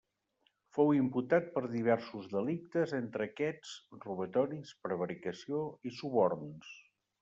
Fou imputat per diversos delictes, entre aquests: robatoris, prevaricació i suborns.